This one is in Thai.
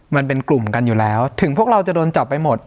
มันเป็นกลุ่มกันอยู่แล้วถึงพวกเราจะโดนจับไปหมด